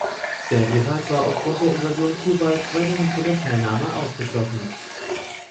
Der Irak war aufgrund der Invasion Kuwaits weiterhin von der Teilnahme ausgeschlossen.